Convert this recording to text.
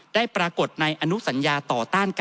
ท่านประธานครับนี่คือสิ่งที่สุดท้ายของท่านครับ